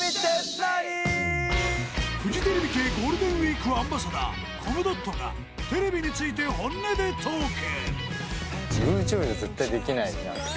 フジテレビ系ゴールデンウィークアンバサダーコムドットがテレビについて本音でトーク。